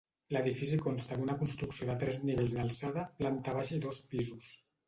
L'edifici consta d'una construcció de tres nivells d'alçada, planta baixa i dos pisos.